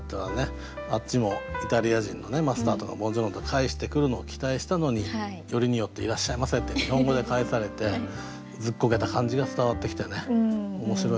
あっちもイタリア人のマスターとか「ボンジョルノ！」と返してくるのを期待したのによりによって「イラッシャイマセ！」って日本語で返されてずっこけた感じが伝わってきてね面白いなと思いましたね。